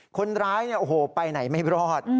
คนร้ายเนี่ยโอ้โหไปไหนไม่รอด